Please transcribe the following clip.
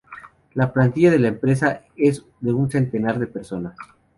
La plantilla de la empresa es de un centenar de personas.